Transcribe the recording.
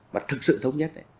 và thực sự thống nhất